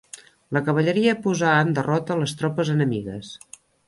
La cavalleria posà en derrota les tropes enemigues.